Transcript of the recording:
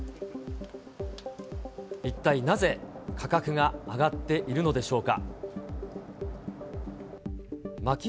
一体なぜ価格が上がっているのでしょうか。